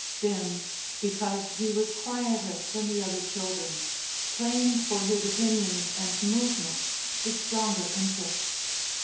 Bim, because he was quieter than the other children, claimed for his opinions and movements the stronger interest.